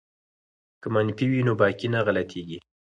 که منفي وي نو باقی نه غلطیږي.